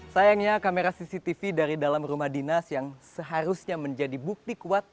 sayangnya kamera cctv dari dalam rumah dinas yang seharusnya menjadi bukti kuat